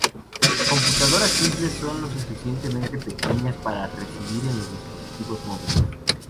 Computadoras simples son lo suficientemente pequeñas para residir en los dispositivos móviles.